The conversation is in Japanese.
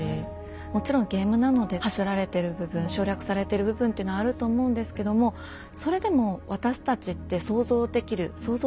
もちろんゲームなのではしょられてる部分省略されてる部分っていうのあると思うんですけどもそれでも私たちって想像できる想像することができるので。